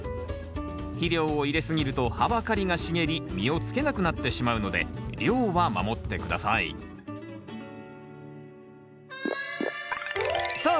肥料を入れ過ぎると葉ばかりが茂り実をつけなくなってしまうので量は守って下さいさあ